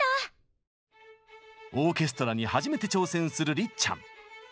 オーケストラに初めて挑戦するりっちゃん。